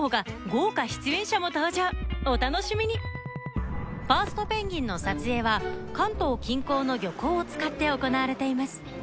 豪華出演者も登場お楽しみに『ファーストペンギン！』の撮影は関東近郊の漁港を使って行われています